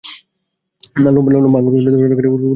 লম্বা আঙুলগুলো দিয়ে খোলা বুকে হাত বোলাতে বোলাতে কথা বলছে সে।